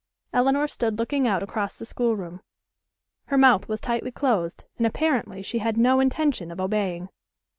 Elinor stood looking out across the schoolroom. Her mouth was tightly closed, and apparently she had no intention of obeying.